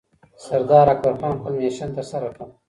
سردار اکبرخان خپل مشن ترسره کړ